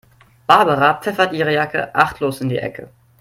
Barbara pfeffert ihre Jacke achtlos in die Ecke.